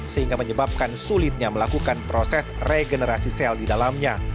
sehingga menyebabkan sulitnya melakukan proses regenerasi sel di dalamnya